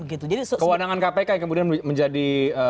kewenangan kpk yang kemudian menjadi